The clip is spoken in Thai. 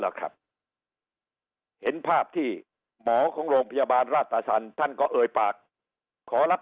แล้วครับเห็นภาพที่หมอของโรงพยาบาลราชสันท่านก็เอ่ยปากขอรับ